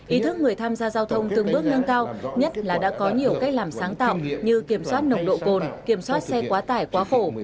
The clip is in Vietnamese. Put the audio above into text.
ý thức người tham gia giao thông từng bước nâng cao nhất là đã có nhiều cách làm sáng tạo như kiểm soát nồng độ cồn kiểm soát xe quá tải quá khổ